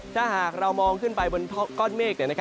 ถ้าหากเรามองขึ้นไปบนก้อนเมฆ